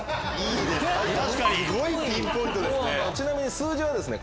すごいピンポイントですね。